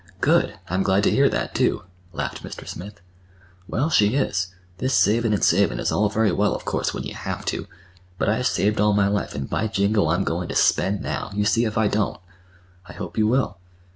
"Good! I'm glad to hear that, too," laughed Mr. Smith. "Well, she is. This savin' an' savin' is all very well, of course, when you have to. But I've saved all my life and, by jingo, I'm goin' to spend now! You see if I don't." "I hope you will."